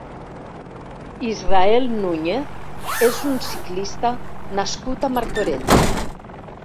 Israel Núñez és un ciclista nascut a Martorell.